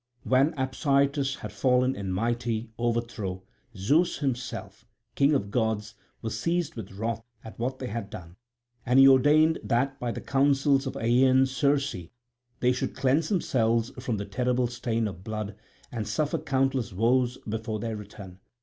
When Apsyrtus had fallen in mighty overthrow Zeus himself, king of gods, was seized with wrath at what they had done. And he ordained that by the counsels of Aeaean Circe they should cleanse themselves from the terrible stain of blood and suffer countless woes before their return.